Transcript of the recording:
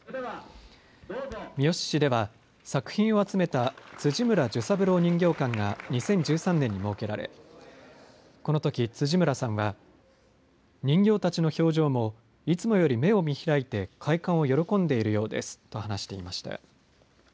三次市では作品を集めた辻村寿三郎人形館が２０１３年に設けられこのとき辻村さんは人形たちの表情もいつもより目を見開いて開館を喜んでいるようですと話していました。